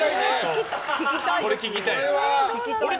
これ聞きたい。